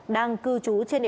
đang cư trú trên